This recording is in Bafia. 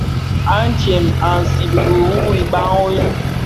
Adyèn i nzibiri wu iban win,